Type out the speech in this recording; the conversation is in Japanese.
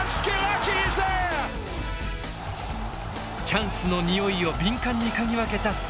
チャンスのにおいを敏感に嗅ぎ分けたスキラッチ。